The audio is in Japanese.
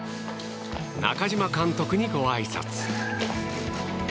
中嶋監督に、ごあいさつ。